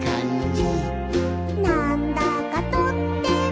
「なんだかとっても」